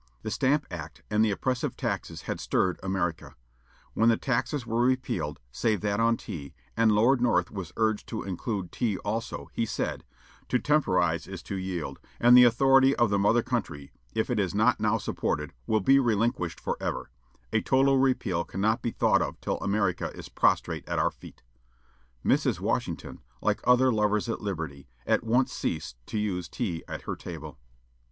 The Stamp Act and the oppressive taxes had stirred America. When the taxes were repealed, save that on tea, and Lord North was urged to include tea also, he said: "To temporize is to yield; and the authority of the mother country, if it is not now supported, will be relinquished forever; a total repeal cannot be thought of till America is prostrate at our feet." Mrs. Washington, like other lovers of liberty, at once ceased to use tea at her table.